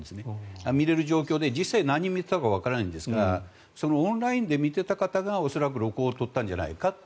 見れる状況で実際何人見ていたかわからないんですがそのオンラインで見ていた方が恐らく録音をとっていたんじゃないかと。